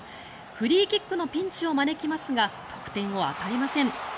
フリーキックのピンチを招きますが得点を与えません。